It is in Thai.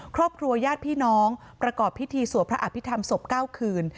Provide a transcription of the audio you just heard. ครอบครัวญาติพี่น้องประกอบพิธีสวดพระอภิษฐรรมศพ๙คืน